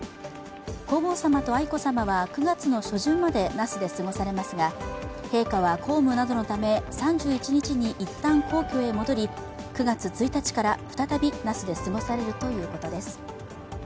皇后さまと愛子さまは９月の初旬まで那須で過ごされますが陛下は公務などのため、３１日に一旦、皇居へ戻り９月１日から再び那須で過ごされるということです。